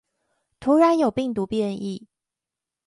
突然有病毒變異